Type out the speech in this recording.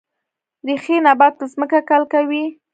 ریښې نبات په ځمکه کلکوي